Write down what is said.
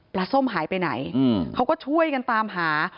ส้มหายไปไหนเขาก็ช่วยกันตามหา